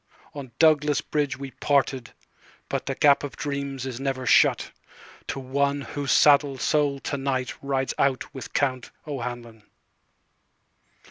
On Douglas Bridge we parted, butThe Gap o' Dreams is never shut, To one whose saddled soul to nightRides out with Count O'Hanlon.